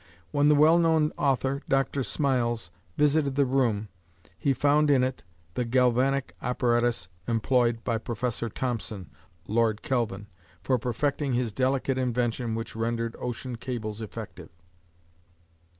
When the well known author, Dr. Smiles, visited the room, he found in it the galvanic apparatus employed by Professor Thompson (Lord Kelvin) for perfecting his delicate invention which rendered ocean cables effective.